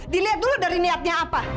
dilihat dulu dari niatnya apa